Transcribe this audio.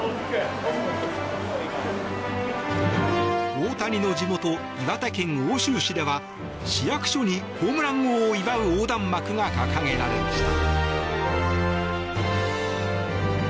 大谷の地元、岩手県奥州市では市役所にホームラン王を祝う横断幕が掲げられました。